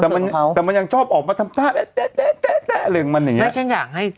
แต่ละมันยังชอบออกมาทำท่า